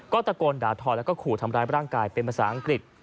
ก็ตะโกนด่าทอแล้วก็ขู่ทำร้ายร่างกายเป็นภาษาอังกฤษ